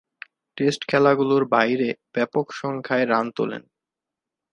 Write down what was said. Test খেলাগুলোর বাইরে ব্যাপকসংখ্যায় রান তুলেন।